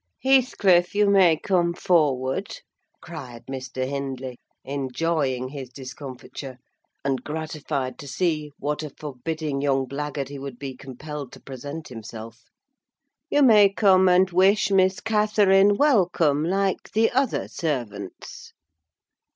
"Heathcliff, you may come forward," cried Mr. Hindley, enjoying his discomfiture, and gratified to see what a forbidding young blackguard he would be compelled to present himself. "You may come and wish Miss Catherine welcome, like the other servants."